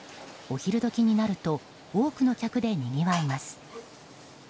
お昼時になると多くの客でにぎわいます。